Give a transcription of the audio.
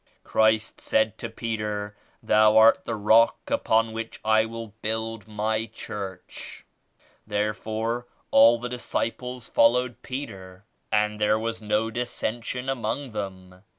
Christ said to Peter *Thou art the rock upon which I will build my church.' Therefore all the disciples followed Peter and there was no dissension among them.